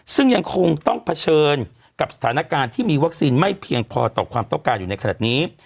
ซึ่งยังคงต้องเผชิญกับสถานการณ์ที่มีวัคซีนไม่เพียงพอต่อความต้องการอยู่ในขณะนี้